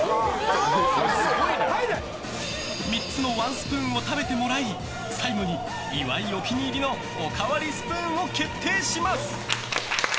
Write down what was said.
３つのワンスプーンを食べてもらい最後に岩井お気に入りのおかわりスプーンを決定します。